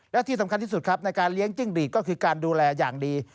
และที่สำคัญที่สุดครับในการเลี้ยงจิ้งหลีดก็คือการดูแลอย่างดี